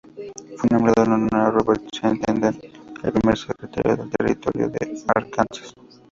Fue nombrado en honor a Robert Crittenden, el primer Secretario del Territorio de Arkansas.